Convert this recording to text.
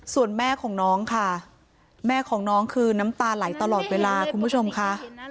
ส่วนแม่ของน้องค่ะแม่ของน้องคือน้ำตาไหลตลอดเวลาคุณผู้ชมค่ะ